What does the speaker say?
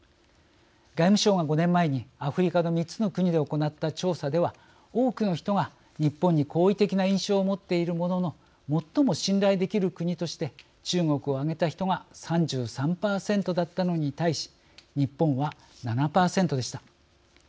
外務省が５年前にアフリカの３つの国で行った調査では多くの人が日本に好意的な印象を持っているものの最も信頼できる国として中国を挙げた人が３３％だったのに対し日本は７％でした。